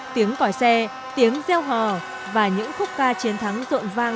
tiếng còi xe tiếng gieo hò và những khúc ca chiến thắng rộn vang